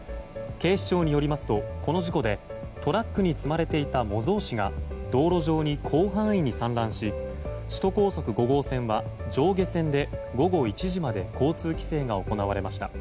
警視庁によりますと、この事故でトラックに積まれていた模造紙が道路上に広範囲に散乱し首都高速５号線は上下線で午後１時まで交通規制が行われました。